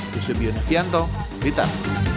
kusubiun fianto blitar